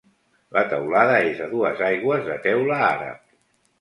La teulada és a dues aigües de teula àrab.